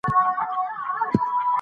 شل اوریز کرکټ ډېر چټک او خوښوونکی دئ.